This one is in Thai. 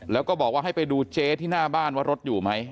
แล้วก็บอกว่าให้ไปดูเจ๊ที่หน้าบ้านว่ารถอยู่ไหม